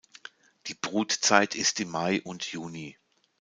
Die Brutzeit ist im Mai und Juni.